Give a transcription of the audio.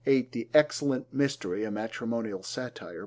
(8) The Excellent Mystery: A Matrimonial Satire.